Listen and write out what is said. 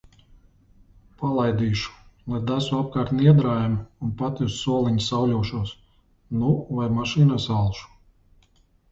Palaidīšu, lai deso apkārt Niedrājam, un pati uz soliņa sauļošos. Nu vai mašīnā salšu.